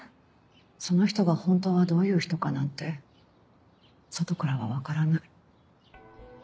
その人がホントはどういう人かなんて外からは分からない。